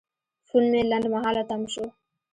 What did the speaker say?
فون مې لنډمهاله تم شو.